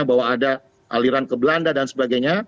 bahwa ada aliran ke belanda dan sebagainya